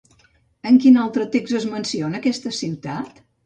En quin altre text es menciona aquesta ciutat?